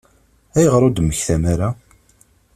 Ayɣer ur d-temmektam ara?